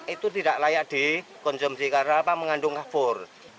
itu tidak layak dikonsumsi karena apa mengandung kapur